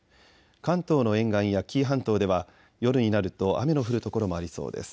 関東の沿岸や紀伊半島では夜になると雨の降る所もありそうです。